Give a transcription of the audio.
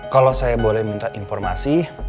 kalau saya boleh minta informasi